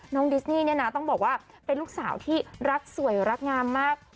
ดิสนี่เนี่ยนะต้องบอกว่าเป็นลูกสาวที่รักสวยรักงามมาก